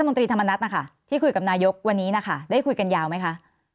รัฐมนตรีธรรมนัสที่คุยกับนายกรัฐมนตรีวันนี้ได้คุยกันยาวไหมคะ